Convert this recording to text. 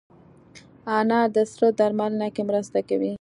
انار د سر درملنه کې مرسته کوي.